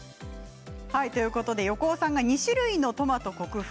横尾さんが２種類のトマト克服